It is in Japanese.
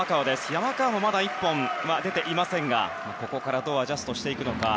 山川もまだ１本出ていませんがここからどうアジャストしていくのか。